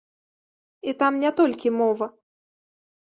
І там не толькі мова.